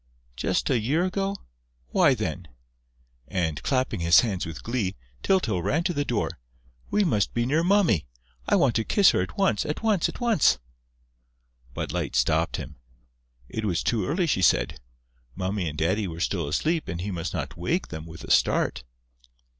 "Just a year ago?... Why, then...." And, clapping his hands with glee, Tyltyl ran to the door. "We must be near Mummy!... I want to kiss her at once, at once, at once!" But Light stopped him. It was too early, she said: Mummy and Daddy were still asleep and he must not wake them with a start.